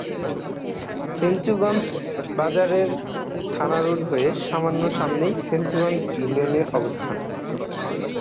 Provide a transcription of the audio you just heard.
ফেঞ্চুগঞ্জ বাজারের থানা রোড হয়ে সামান্য সামনেই ফেঞ্চুগঞ্জ ইউনিয়নের অবস্থান।